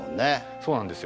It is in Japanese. そうなんですよ。